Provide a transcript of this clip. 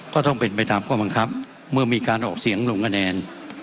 ก็ต้องเป็นไปตามข้อบังคับเมื่อมีการออกเสียงลงคะแนน